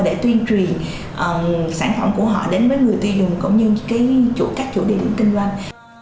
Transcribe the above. để tuyên truyền sản phẩm của họ đến với người tiêu dùng cũng như các chủ đề điểm kinh doanh